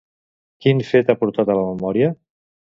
Quin fet ha portat a la memòria?